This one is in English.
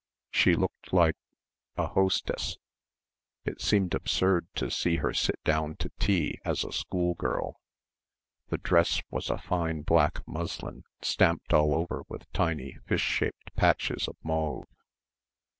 She looked like ... a hostess. It seemed absurd to see her sit down to tea as a schoolgirl. The dress was a fine black muslin stamped all over with tiny fish shaped patches of mauve.